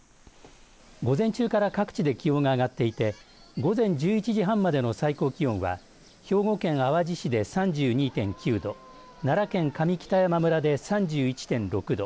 午前中から各地で気温が上がっていて午前１１時半までの最高気温は兵庫県淡路市で３２．９度奈良県上北山村で３１．６度